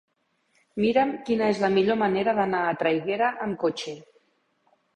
Mira'm quina és la millor manera d'anar a Traiguera amb cotxe.